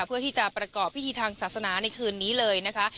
เพื่อที่จะประกอบพิธีทางศาสนาในคืนนี้เลยนะคะ